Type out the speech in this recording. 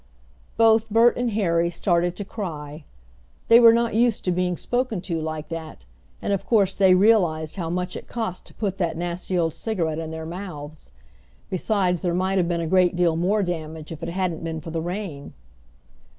Both Bert and Harry started to cry. They were not used to being spoken to like that, and of course they realized how much it cost to put that nasty old cigarette in their mouths. Besides there might have been a great deal more damage if it hadn't been for the rain.